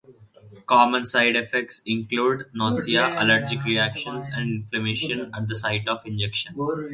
Common side effects include nausea, allergic reactions, and inflammation at the site of injection.